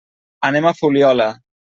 Anem a la Fuliola.